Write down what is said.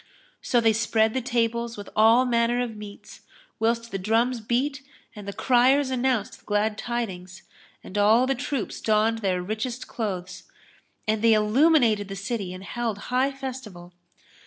So they spread the tables with all manner of meats, whilst the drums beat and the criers anounced the glad tidings, and all the troops donned their richest clothes; and they illuminated the city and held high festival.